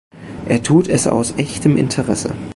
Er tut es aus echtem Interesse.